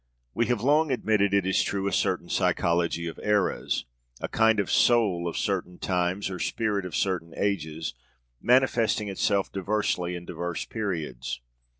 We have long admitted, it is true, a certain psychology of eras a kind of 'soul' of certain times, or 'spirit' of certain ages, manifesting itself diversely in diverse periods.